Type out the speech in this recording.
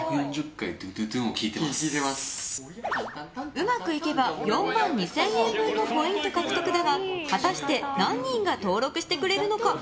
うまくいけば４万２０００円分のポイント獲得だが果たして何人が登録してくれるのか？